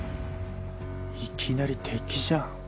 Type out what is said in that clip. いきなり敵じゃん。